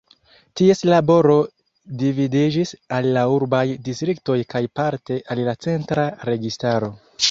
Ties laboro dividiĝis al la urbaj distriktoj kaj parte al la centra registaro.